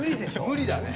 無理だね。